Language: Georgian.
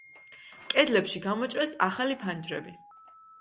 კედლებში გამოჭრეს ახალი ფანჯრები.